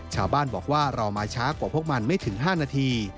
ชาวบ้านบอกว่ารอมาช้ากว่าพวกมันไม่ถึง๕นาที